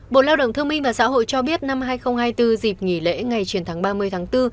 bộ lao động thương minh và xã hội cho biết năm hai nghìn hai mươi bốn dịp nghỉ lễ ngày truyền thống ba mươi tháng bốn